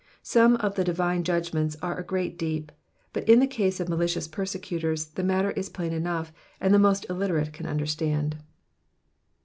Some of the divine judgments are a great <ieep, but in the case of malicious persecutors the matter is plain enough, and the most illiterate can understand.